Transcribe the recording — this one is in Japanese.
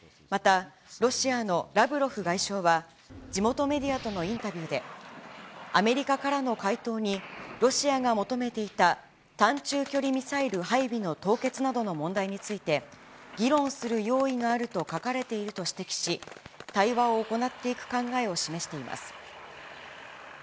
また、ロシアのラブロフ外相は、地元メディアとのインタビューで、アメリカからの回答にロシアが求めていた短中距離ミサイル配備の凍結などの問題について、議論する用意があると書かれていると指摘し、対話を行っていく考えを示しています。